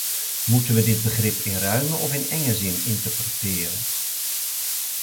Moeten we dit begrip in ruime of in enge zin interpreteren?